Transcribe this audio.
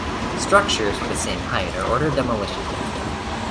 Structures with the same height are ordered demolition date.